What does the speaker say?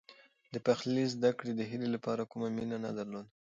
د پخلي زده کړه د هیلې لپاره کومه مینه نه درلوده.